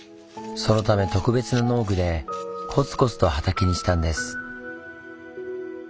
そのため特別な農具でこつこつと畑にしたんです。